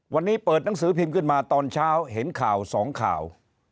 วันนี้เปิดหนังสือพิมพ์ขึ้นมาตอนเช้าเห็นข่าวสองข่าว